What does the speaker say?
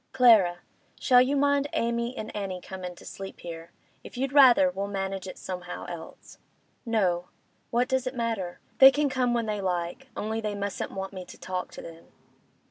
'Clara—shall you mind Amy and Annie comin' to sleep here? If you'd rather, we'll manage it somehow else.' 'No. What does it matter? They can come when they like, only they mustn't want me to talk to them.